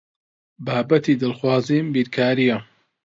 بابەتی دڵخوازم بیرکارییە.